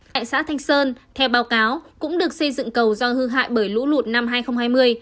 tại xã thanh sơn theo báo cáo cũng được xây dựng cầu do hư hại bởi lũ lụt năm hai nghìn hai mươi